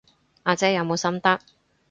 阿姐有冇心得？